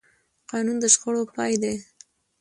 قانون د شخړو پای دی